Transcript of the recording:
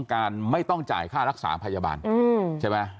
การไม่ต้องจ่ายค่ารักษาพยาบาลใช่ไหม